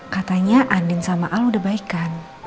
katanya andin sama al udah baikan